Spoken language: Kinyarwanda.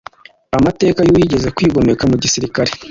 Amateka yu wigeze kwigomeka mu gisirikare